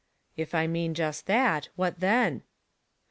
" If I mean just that, what then